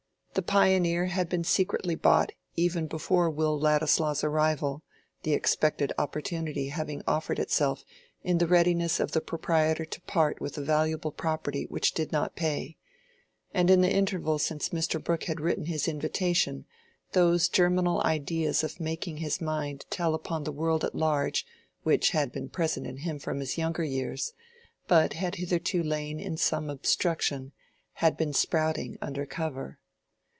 The "Pioneer" had been secretly bought even before Will Ladislaw's arrival, the expected opportunity having offered itself in the readiness of the proprietor to part with a valuable property which did not pay; and in the interval since Mr. Brooke had written his invitation, those germinal ideas of making his mind tell upon the world at large which had been present in him from his younger years, but had hitherto lain in some obstruction, had been sprouting under cover.